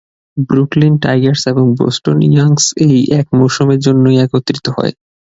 Brooklyn Tigers এবং Boston Yankees এই এক মৌসুমের জন্য একত্রিত হয়।